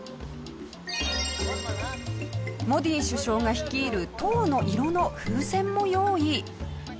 モディ首相が率いる党の色の風船も用意。